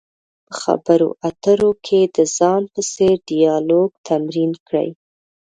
په خبرو اترو کې د ځان په څېر ډیالوګ تمرین کړئ.